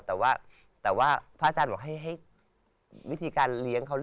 แต่ว่าพระอาจารย์บอกให้วิธีการเลี้ยงเขา